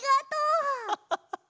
ハハハハ！